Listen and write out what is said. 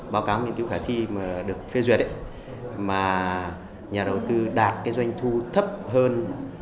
báo cáo nghiên cứu khả thi được phê duyệt mà nhà đầu tư đạt cái doanh thu thấp hơn bảy mươi năm